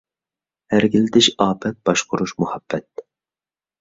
ئەركىلىتىش ئاپەت، باشقۇرۇش مۇھەببەت.